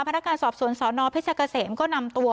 พนักงานสอบสวนสนเพชรเกษมก็นำตัว